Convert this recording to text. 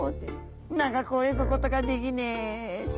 長く泳ぐことができねえって。